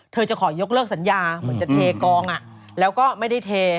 จะขอยกเลิกสัญญาเหมือนจะเทกองแล้วก็ไม่ได้เท